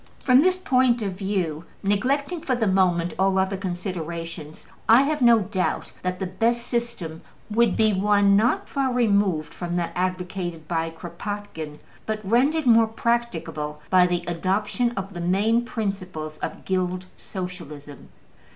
From this point of view, neglecting for the moment all other considerations, I have no doubt that the best system would be one not far removed from that advocated by Kropotkin, but rendered more practicable by the adoption of the main principles of Guild Socialism.